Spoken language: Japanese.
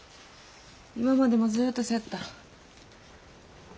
今までもずっとそやった。